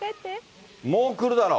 もう来るだろう。